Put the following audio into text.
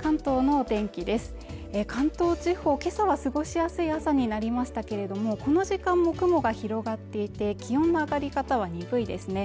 関東地方今朝は過ごしやすい朝になりましたけれどもこの時間も雲が広がっていて気温の上がり方は鈍いですね